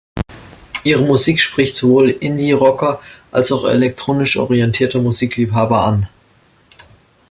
Ihre Musik spricht sowohl Indie-Rocker als auch elektronisch orientierte Musikliebhaber an.